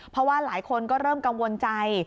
เพราะว่าหลายคนก็เริ่มกังวลใจ